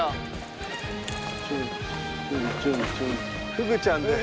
フグちゃんです！